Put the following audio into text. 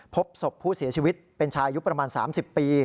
พบศพผู้เสียชีวิตเป็นชายุคประมาณ๓๐ปี